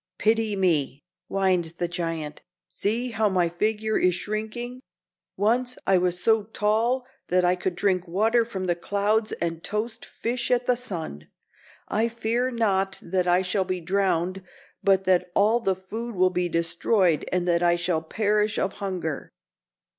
"Pity me," whined the giant. "See how my figure is shrinking. Once I was so tall that I could drink water from the clouds and toast fish at the sun. I fear not that I shall be drowned, but that all the food will be destroyed and that I shall perish of hunger."